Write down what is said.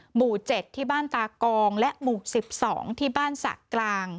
หมู่๗ที่บ้านตากองและหมู่๑๒ที่บ้านสระกลาง